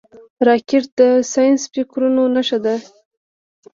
راکټ د ساینسي فکرونو نښه ده